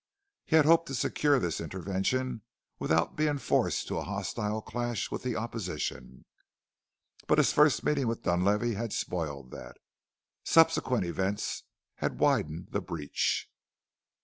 He had hoped to secure this intervention without being forced to a hostile clash with the opposition, but his first meeting with Dunlavey had spoiled that. Subsequent events had widened the breach.